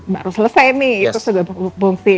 baru selesai nih itu sudah fungsi